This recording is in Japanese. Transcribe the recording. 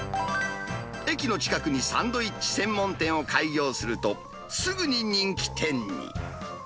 駅の近くにサンドイッチ専門店を開業すると、すぐに人気店に。